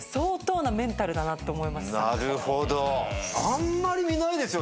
あんまり見ないですよね。